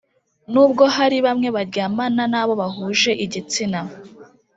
Nubwo hari bamwe baryamana n abo bahuje igitsina